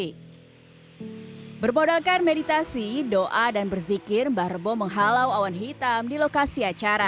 hai berpodalkan meditasi doa dan berzikir mbah rebo menghalau awan hitam di lokasi acara